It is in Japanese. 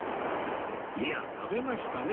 いや食べましたね。